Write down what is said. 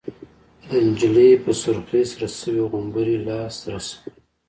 د نجلۍ په سرخۍ سره شوي غومبري لاسره شول.